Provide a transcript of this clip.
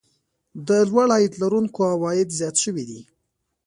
د لوړ عاید لرونکو عوايد زیات شوي دي